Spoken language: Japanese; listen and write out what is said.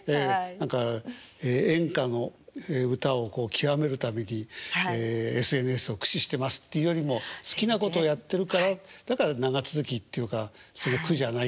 何か演歌の歌をきわめるためにＳＮＳを駆使してますっていうよりも好きなことやってるからだから長続きっていうか苦じゃないっていう。